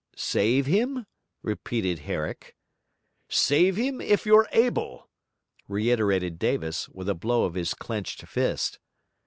'Save him?' repeated Herrick. 'Save him, if you're able!' reiterated Davis, with a blow of his clenched fist.